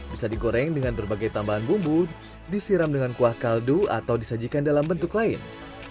bisa digoreng dengan berbagai tambahan bumbu disiram dengan kuah kaldu atau disajikan dalam bentuk lain